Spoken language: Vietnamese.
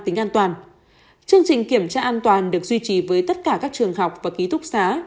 tính an toàn chương trình kiểm tra an toàn được duy trì với tất cả các trường học và ký túc xá